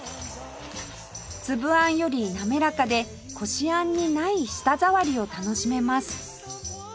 つぶあんよりなめらかでこしあんにない舌触りを楽しめます